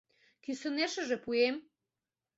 «Кӱсынешыже пуэм?!»